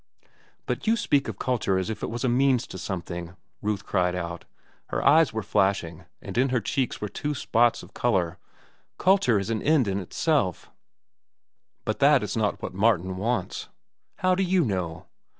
"But you speak of culture as if it should be a means to something," Ruth cried out. Her eyes were flashing, and in her cheeks were two spots of color. "Culture is the end in itself." "But that is not what Martin wants." "How do you know?"